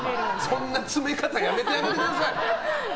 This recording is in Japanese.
そんな詰め方やめてくださいよ。